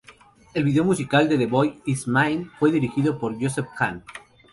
El video musical de "The boy is mine" fue dirigido por Joseph Kahn.